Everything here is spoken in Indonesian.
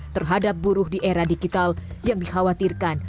terhadap buruh di era digital yang dikhawatirkan